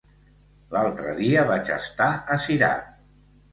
L'altre dia vaig estar a Cirat.